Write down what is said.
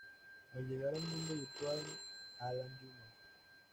Al llegar al mundo virtual Alan Jr.